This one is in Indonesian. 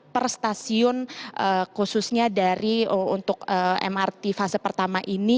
per stasiun khususnya dari untuk mrt fase pertama ini